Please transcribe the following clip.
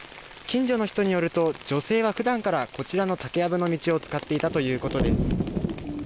近所の人によると、女性はふだんからこちらの竹やぶの道を使っていたということです。